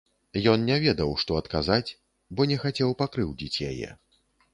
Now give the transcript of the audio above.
Ён не ведаў, што адказаць, бо не хацеў пакрыўдзіць яе.